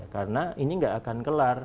karena ini gak akan kelar